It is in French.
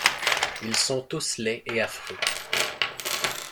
Ils sont tous laids et affreux.